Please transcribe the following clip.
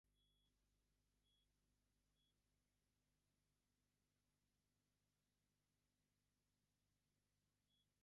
La carrera internacional de Crawford va ser sorprenentment breu, ja que va guanyar només dues vegades com a internacional.